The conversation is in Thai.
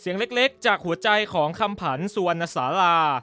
เสียงเล็กจากหัวใจของคำผันสุวรรณสารา